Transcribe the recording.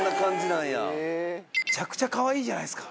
めちゃくちゃかわいいじゃないですか。